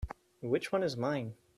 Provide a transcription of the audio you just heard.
Which one is mine?